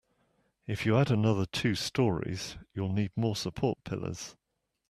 If you add another two storeys, you'll need more support pillars.